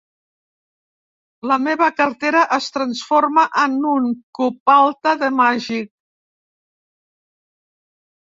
La meva cartera es transforma en un copalta de màgic.